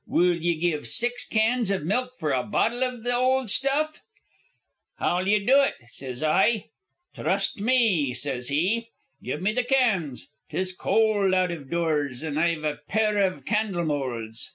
Will ye give six cans iv milk for a bottle iv the old stuff?' 'How'll ye do it?' sez I. 'Trust me,' sez he. 'Give me the cans. 'Tis cold out iv doors, an' I've a pair iv candle moulds.'